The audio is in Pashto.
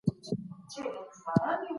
د نجونو تعلیم د ټولني د سواد نښه ده.